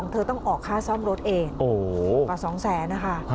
เธอต้องออกค่าซ่อมรถเองกว่า๒๐๐๐๐๐บาทนะคะ